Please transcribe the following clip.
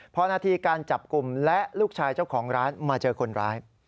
พอนาทีการจับกลุ่มและลูกชายเจ้าของร้านมาเจอคนร้าย